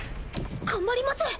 頑張ります。